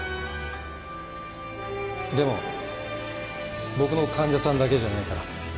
でも僕の患者さんだけじゃないから。